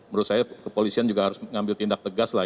menurut saya kepolisian juga harus mengambil tindak tegas lah